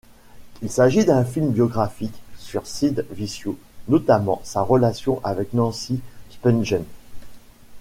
Il s'agit d'un film biographique sur Sid Vicious, notamment sa relation avec Nancy Spungen.